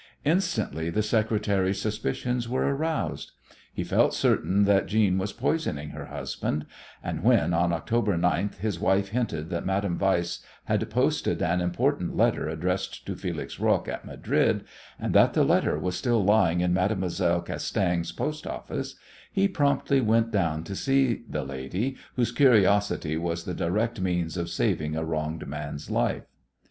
Instantly the secretary's suspicions were aroused. He felt certain that Jeanne was poisoning her husband, and when on October 9 his wife hinted that Madame Weiss had posted an important letter addressed to Felix Roques at Madrid, and that the letter was still lying in Mademoiselle Castaing's post office, he promptly went down to see the lady whose curiosity was the direct means of saving a wronged man's life.